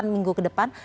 delapan minggu ke depan